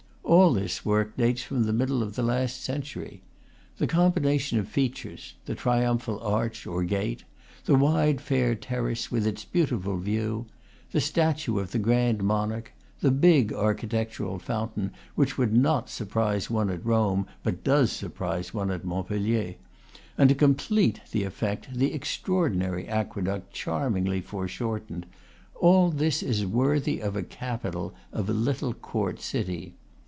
All this work dates from the middle of the last century. The com bination of features the triumphal arch, or gate; the wide, fair terrace, with its beautiful view; the statue of the grand monarch; the big architectural fountain, which would not surprise one at Rome, but goes sur prise one at Montpellier; and to complete the effect, the extraordinary aqueduct, charmingly fore shortened, all this is worthy of a capital, of a little court city.